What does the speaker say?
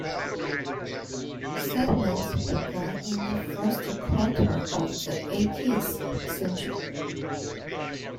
Settlement began in the first quarter of the eighteenth century.